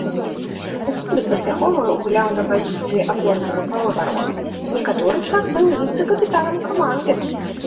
У клубе паспяхова гуляў на пазіцыі апорнага паўабаронцы, некаторы час быў віцэ-капітанам каманды.